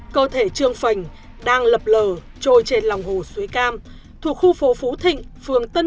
cơ thể trương phành đang lập lờ trôi trên lòng hồ suối cam thuộc khu phố phú thịnh phường tân